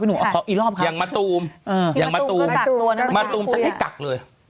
คุณหนุ่มขออีกรอบค่ะอย่างมะตูมมะตูมสักให้กักเลย